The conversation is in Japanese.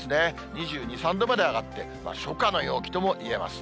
２２、３度まで上がって、初夏の陽気ともいえます。